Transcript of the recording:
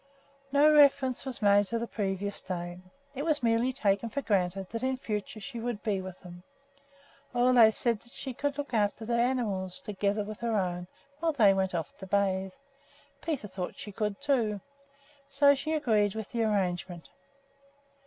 No reference was made to the previous day; it was merely taken for granted that in future she would be with them. Ole said that she could look after their animals, together with her own, while they went off to bathe. Peter thought she could, too. So she agreed to the arrangement.